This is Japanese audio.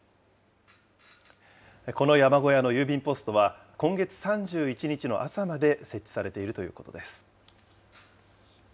この山小屋の郵便ポストは、今月３１日の朝まで設置されているということです。